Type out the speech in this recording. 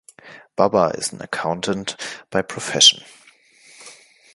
Baba is an Accountant by Profession.